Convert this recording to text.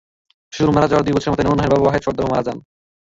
শ্বশুর মারা যাওয়ার দুই বছরের মাথায় নূরুন্নাহারের বাবা ওয়াহেদ সরদারও মারা যান।